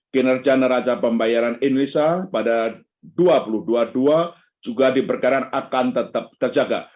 kinerja neraca pembayaran indonesia pada dua ribu dua puluh dua juga diperkirakan akan tetap terjaga